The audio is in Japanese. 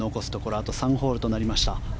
あと３ホールとなりました。